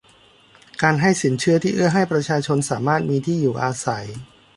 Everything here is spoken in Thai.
การให้สินเชื่อที่เอื้อให้ประชาชนสามารถมีที่อยู่อาศัย